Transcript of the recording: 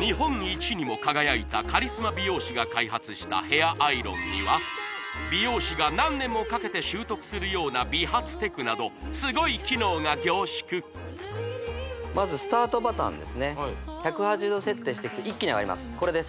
日本一にも輝いたカリスマ美容師が開発したヘアアイロンには美容師が何年もかけて習得するような美髪テクなどスゴい機能が凝縮１８０℃設定していくと一気に上がります